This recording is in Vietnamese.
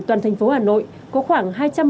toàn thành phố hà nội có khoảng